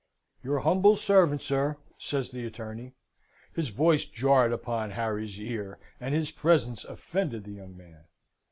"Your humble servant, sir," says the attorney. His voice jarred upon Harry's ear, and his presence offended the young man.